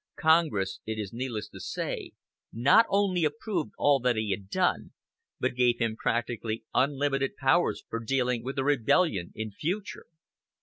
Congress, it is needless to say, not only approved all that he had done, but gave him practically unlimited powers for dealing with the rebellion in future.